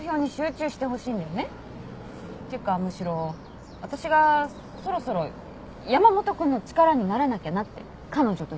ていうかむしろ私がそろそろ山本君の力にならなきゃなって彼女としてね。